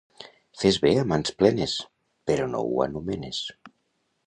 Fes bé a mans plenes, però no ho anomenes.